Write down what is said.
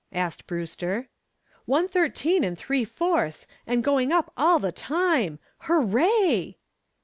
asked Brewster. "One thirteen and three fourths, and going up all the time. Hooray!"